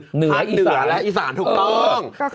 ภาคเหนือและอีสานถูกต้อง